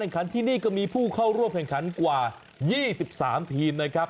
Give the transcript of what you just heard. เข้าร่วมแผ่งขันกว่า๒๓ทีมนะครับ